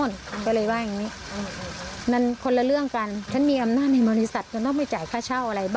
นั่นมันคนละเรื่องกันฉันมีอำนาจในบริษัทก็ต้องไปจ่ายค่าเช่าอะไร